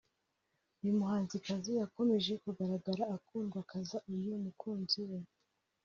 uyu muhanzi yakomeje kugaragara akundwakaza uyu mukunzi we